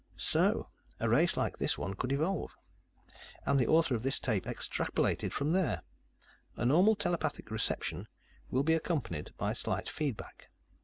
"So, a race like this one could evolve. And the author of this tape extrapolated from there. A normal telepathic reception will be accompanied, by a slight feedback.